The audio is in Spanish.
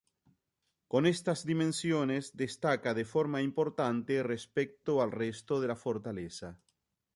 Con estas dimensiones, destaca de forma importante respecto al resto de la fortaleza.